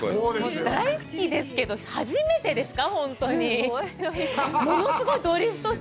大好きですけど、初めてですか？